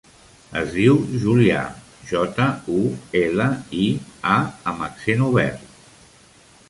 Es diu Julià: jota, u, ela, i, a amb accent obert.